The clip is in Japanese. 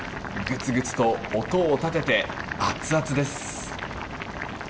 グツグツと音を立てて熱々です。